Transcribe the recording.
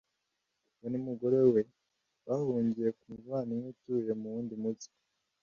we n umugore we bahungiye ku muvandimwe utuye mu wundi mujyi